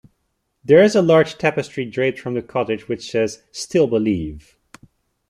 There is a large tapestry draped from the Cottage which says "Still Believe".